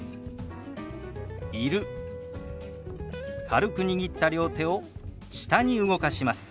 軽く握った両手を下に動かします。